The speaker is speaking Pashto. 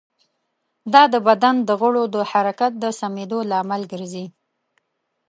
دا د بدن د غړو د حرکت د سمېدو لامل ګرځي.